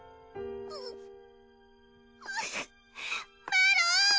マロン！